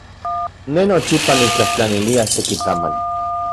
Ne nochipa niktlajtlanilia seki tamali.